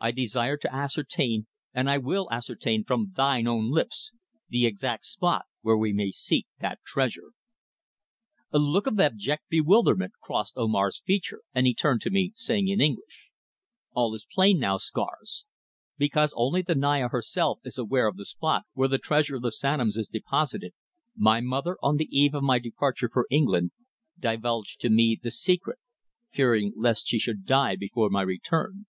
I desire to ascertain, and I will ascertain from thine own lips, the exact spot where we may seek that treasure." A look of abject bewilderment crossed Omar's features, and he turned to me, saying in English: "All is now plain, Scars. Because only the Naya herself is aware of the spot where the treasure of the Sanoms is deposited, my mother, on the eve of my departure for England, divulged to me the secret, fearing lest she should die before my return.